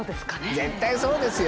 絶対そうですよ。